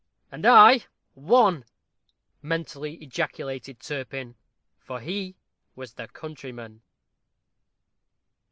"And I ONE!" mentally ejaculated Turpin, for he was the countryman.